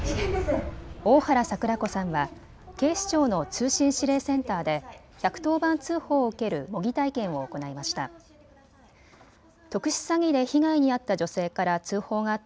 大原櫻子さんは警視庁の通信指令センターで１１０番通報を受ける模擬体験を行いました。